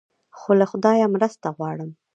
خو له خدایه مرسته غواړم.